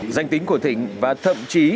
danh tính của thịnh và thậm chí